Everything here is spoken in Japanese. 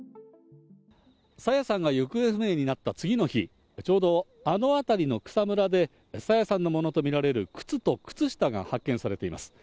朝芽さんが行方不明になった次の日、ちょうどあの辺りの草むらで、朝芽さんのものと見られる靴と靴下が発見されています。